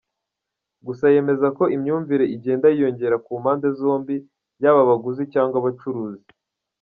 Gusa, yemeza ko imyumvire igenda yiyongera ku pande zombi yaba abaguzi cyangwa abacuruzi.